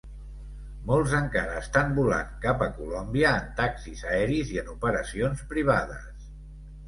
Molts encara estan volant cap a Colòmbia en taxis aeris i en operacions privades.